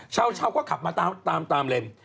เช้าก็ขับมาตามเลน